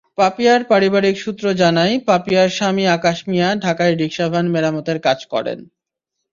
পাপিয়ার পারিবারিক সূত্র জানায়, পাপিয়ার স্বামী আকাশ মিয়া ঢাকায় রিকশাভ্যান মেরামতের কাজ করেন।